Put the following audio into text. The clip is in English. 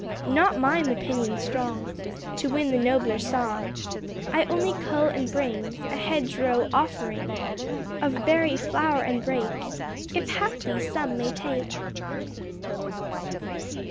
Not mine the pinion strong To win the nobler song; I only cull and bring A hedge row offering Of berry, flower, and brake, If haply some may take.